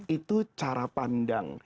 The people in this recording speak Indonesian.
itu cara pandang